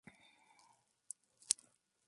Fue alumno del liceo Voltaire en París.